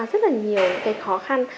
rất là nhiều khó khăn